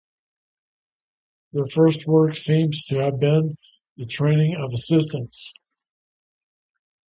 Their first work seems to have been the training of assistants.